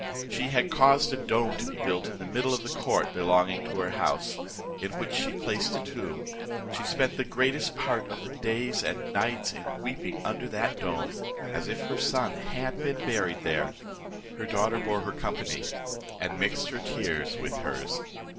She had caused a dome to be built in the middle of the court belonging to her house, in which she placed a tomb. She spent the greatest part of the days and nights in weeping under that dome, as if her son had been buried there: her daughter bore her company, and mixed her tears with hers.